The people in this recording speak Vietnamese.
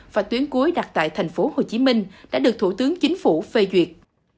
và tuyến cuối đặt tại tp hcm đã được thủ tướng chính phủ phê duyệt